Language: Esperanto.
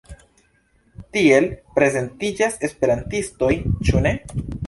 Tiel prezentiĝas esperantistoj, ĉu ne?